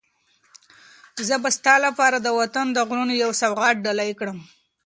زه به ستا لپاره د وطن د غرونو یو سوغات ډالۍ کړم.